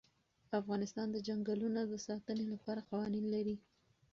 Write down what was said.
افغانستان د چنګلونه د ساتنې لپاره قوانین لري.